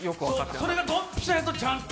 それがドンピシャやとちゃんと？